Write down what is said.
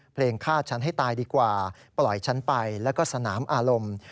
ฆ่าฉันให้ตายดีกว่าปล่อยฉันไปแล้วก็สนามอารมณ์